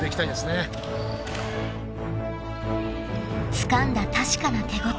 ［つかんだ確かな手応え］